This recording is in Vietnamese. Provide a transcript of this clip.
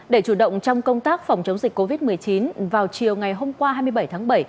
để chủ động trong công tác phòng chống dịch covid một mươi chín vào chiều ngày hôm qua hai mươi bảy tháng bảy